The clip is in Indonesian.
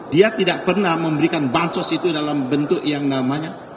dia tidak pernah memberikan bansos itu dalam bentuk yang namanya